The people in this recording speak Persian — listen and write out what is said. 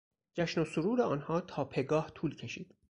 جشن و سرور آنها تا پگاه طول کشید.